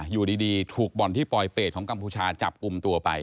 อยู่ดีถูกบ่อนที่ปลอยเปรตของกัมพูชาจับกลุ่มตัวไป